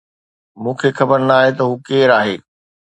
مون کي خبر ناهي ته هو ڪير آهي